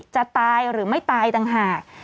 จะตายหรือไม่ตายต่างหาก